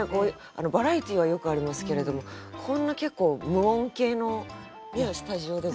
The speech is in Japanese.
バラエティーはよくありますけれどもこんな結構無音系のスタジオでご一緒する。